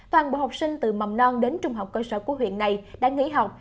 toàn bộ học sinh từ mầm non đến trung học cơ sở của huyện này đã nghỉ học